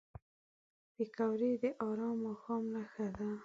پکورې د ارام ماښام نښه ده